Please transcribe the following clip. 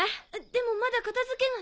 でもまだ片付けが。